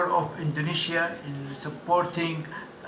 untuk peran indonesia dalam mendukung